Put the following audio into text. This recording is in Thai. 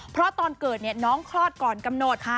เพราะตอนเกิดน้องคลอดก่อนกำหนด